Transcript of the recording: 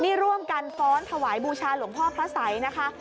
นี่ร่วมกันฟ้อนถวายบูชาหลวงพ่อพระสัยนะคะ